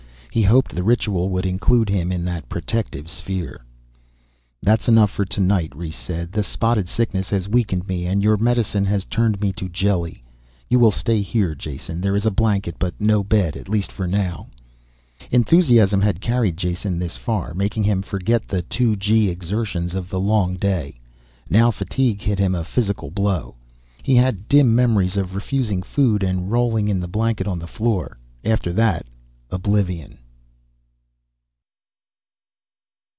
He hoped the ritual would include him in that protective sphere. "That is enough for tonight," Rhes said. "The spotted sickness had weakened me, and your medicine has turned me to jelly. You will stay here, Jason. There is a blanket, but no bed at least for now." Enthusiasm had carried Jason this far, making him forget the two gee exertions of the long day. Now fatigue hit him a physical blow. He had dim memories of refusing food and rolling in the blanket on the floor. After that, oblivion.